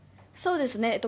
そうですね。